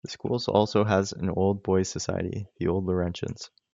The school also has an old boys society: the Old Laurentians.